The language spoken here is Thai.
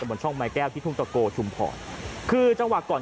เฮ้ยเฮ้ยเฮ้ยเฮ้ย